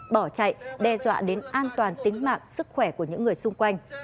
bỏ chạy đe dọa đến an toàn tính mạng sức khỏe của những người xung quanh